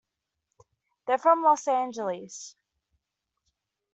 They're from Los Angeles.